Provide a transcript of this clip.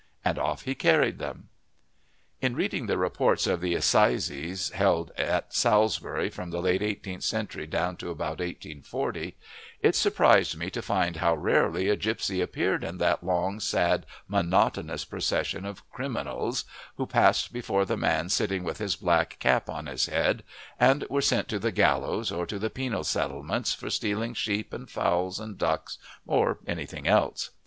And off he carried them. In reading the reports of the Assizes held at Salisbury from the late eighteenth century down to about 1840, it surprised me to find how rarely a gipsy appeared in that long, sad, monotonous procession of "criminals" who passed before the man sitting with his black cap on his head, and were sent to the gallows or to the penal settlements for stealing sheep and fowls and ducks or anything else.